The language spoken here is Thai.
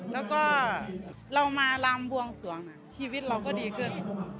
แล้วก็เรามารำบวงสวงชีวิตเราก็ดีขึ้น